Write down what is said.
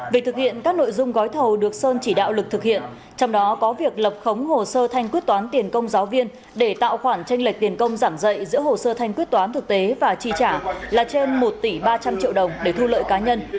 việc thực hiện các nội dung gói thầu được sơn chỉ đạo lực thực hiện trong đó có việc lập khống hồ sơ thanh quyết toán tiền công giáo viên để tạo khoản tranh lệch tiền công giảng dạy giữa hồ sơ thanh quyết toán thực tế và chi trả là trên một tỷ ba trăm linh triệu đồng để thu lợi cá nhân